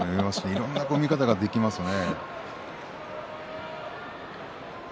いろんな見方ができますね。